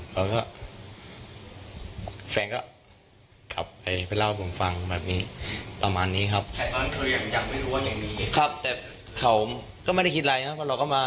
ก็แฟนก็ไปเล่าให้ผมฟังแบบนี้ประมาณนี้ครับ